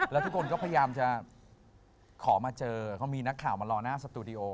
แล้วทุกคนก็พยายามจะขอมาเจอเขามีนักข่าวมารอหน้าสตูดิโอ